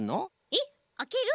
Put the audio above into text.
えっあける？